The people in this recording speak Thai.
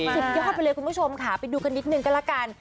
สุดยอดไปเลยคุณผู้ชมค่ะไปดูกันนิดนึงก็ละกัน